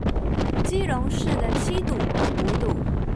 基隆市的七堵、五堵